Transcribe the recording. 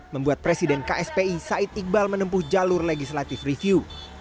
membuat presiden kspi said iqbal menempuh jalur legislative review